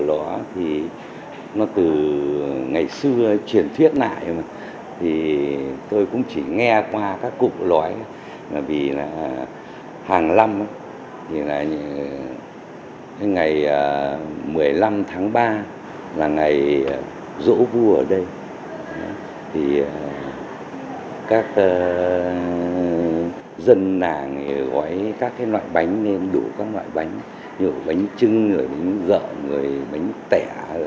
là ngày rỗ vua ở đây các dân làng gói các loại bánh nên đủ các loại bánh như bánh trưng bánh dợ bánh tẻ